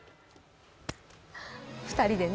２人でね。